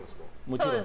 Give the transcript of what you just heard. もちろん。